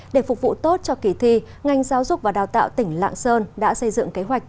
để phục vụ tốt cho kỳ thi ngành giáo dục và đào tạo tỉnh lạng sơn đã xây dựng kế hoạch